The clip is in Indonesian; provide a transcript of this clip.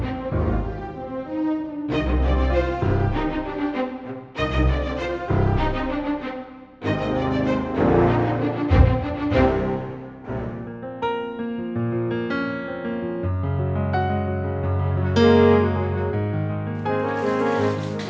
aku mau ke rumah